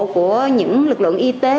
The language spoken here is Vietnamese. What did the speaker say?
của những lực lượng y tế